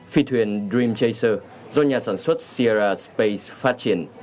phi thuyền dream chaser do nhà sản xuất sierra space phát triển